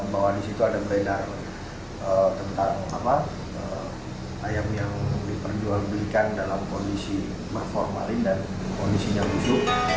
bahwa di situ ada beredar tentang ayam yang diperjual belikan dalam kondisi berformalin dan kondisinya lucu